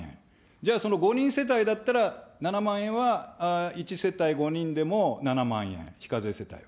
じゃあ、その５人世帯だったら７万円は１世帯５人でも７万円、非課税世帯。